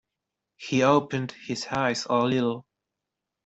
He opened his eyes a little.